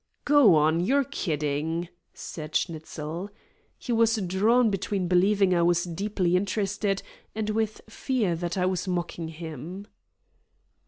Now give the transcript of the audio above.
"Go on, you're kidding!" said Schnitzel. He was drawn between believing I was deeply impressed and with fear that I was mocking him.